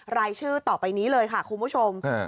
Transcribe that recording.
รายชื่อต่อไปนี้เลยค่ะคุณผู้ชม